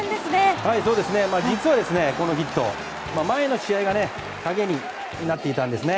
実は、このヒット前の試合が鍵になっていたんですね。